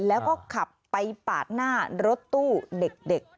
แล้วก็ขับไปปาดหน้ารถตู้เด็ก